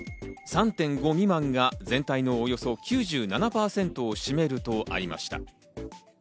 ３．５未満が全体のおよそ９７％を占めるとありました。